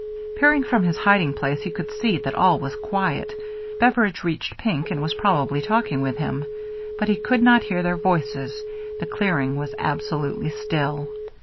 Peering from his hiding place, he could see that all was quiet. Beveridge had reached Pink, and was probably talking with him. But he could not hear their voices — the clear ing was absolutely still.